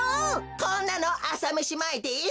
こんなのあさめしまえです。